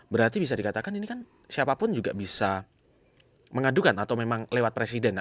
berarti bisa dikatakan ini kan siapapun juga bisa mengadukan atau memang lewat presiden